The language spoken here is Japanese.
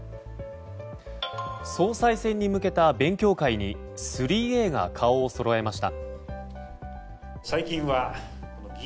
総裁選に向けた勉強会に３Ａが顔をそろえました。